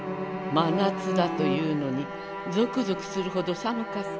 「真夏だというのにゾクゾクするほど寒かった。